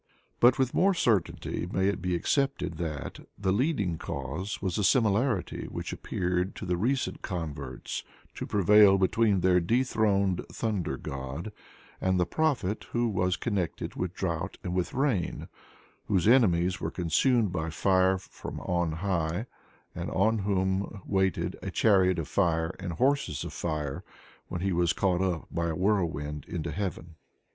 But with more certainty may it be accepted that, the leading cause was the similarity which appeared to the recent converts to prevail between their dethroned thunder god and the prophet who was connected with drought and with rain, whose enemies were consumed by fire from on high, and on whom waited "a chariot of fire and horses of fire," when he was caught up by a whirlwind into heaven.